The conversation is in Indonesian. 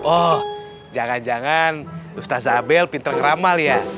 oh jangan jangan ustadz zabel pinter ngeramal ya